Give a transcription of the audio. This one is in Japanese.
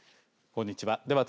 こんにちは。